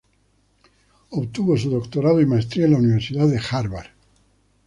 Obtuvo su doctorado y maestría en la Universidad de Harvard.